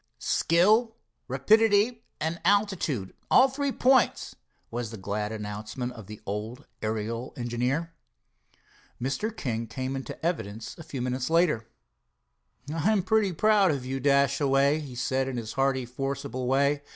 "Skill, rapidity and altitude—all three points," was the glad announcement of the old aerial engineer. Mr. King came into evidence a few minutes later. "I'm pretty proud of you, Dashaway," he said, in his hearty, forcible way.